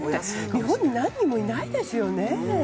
日本に何人もいないですよね。